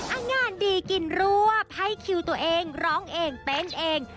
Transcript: อาการดีกินรวบให้คิวตัวเองร้องเองเต้นเอง